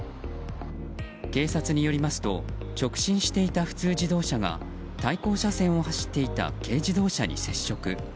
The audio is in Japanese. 警察によりますと直進していた普通自動車が対向車線を走っていた軽自動車に接触。